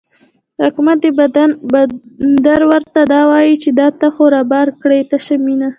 واکمن د بندر ورته دا وايي، چې دا تا خو رابار کړې تشه مینه